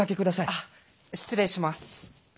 あ失礼します。